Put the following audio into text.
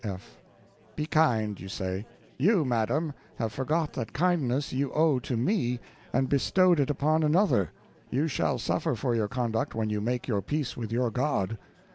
F. Be kind, you say; you, madam, have forgot that kindness you owe to me, and bestowed it upon another; you shall suffer for your conduct when you make your peace with your God.